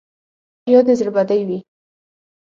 بیا دې زړه بدې وي.